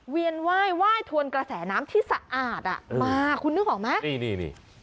ไหว้ไหว้ทวนกระแสน้ำที่สะอาดอ่ะมาคุณนึกออกไหมนี่นี่